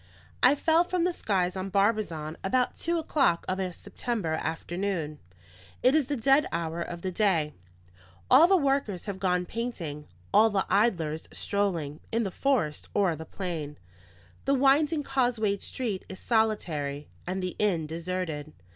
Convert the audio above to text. I fell from the skies on Barbizon about two o'clock of a September afternoon. It is the dead hour of the day; all the workers have gone painting, all the idlers strolling, in the forest or the plain; the winding causewayed street is solitary, and the inn deserted.